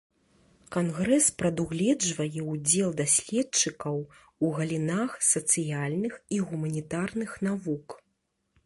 Кангрэс прадугледжвае ўдзел даследчыкаў у галінах сацыяльных і гуманітарных навук.